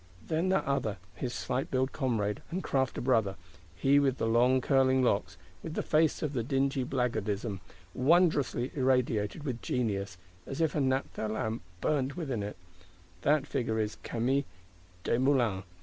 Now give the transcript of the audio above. Then that other, his slight built comrade and craft brother; he with the long curling locks; with the face of dingy blackguardism, wondrously irradiated with genius, as if a naphtha lamp burnt within it: that Figure is Camille Desmoulins.